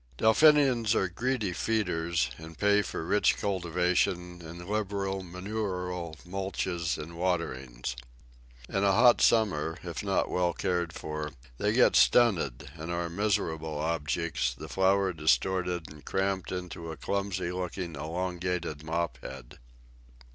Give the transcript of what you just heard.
Delphiniums are greedy feeders, and pay for rich cultivation and for liberal manurial mulches and waterings. In a hot summer, if not well cared for, they get stunted and are miserable objects, the flower distorted and cramped into a clumsy looking, elongated mop head.